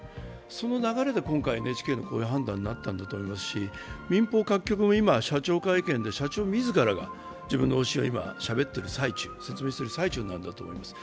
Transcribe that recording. その流れで今回、ＮＨＫのこういう判断になったんだと思いますし、民放各局も今、社長会見で社長自らが自分の方針を説明している最中なんだと思います。